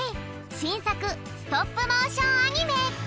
しんさくストップモーションアニメ！